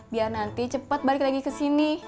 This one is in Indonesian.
biar nanti cepat balik lagi kesini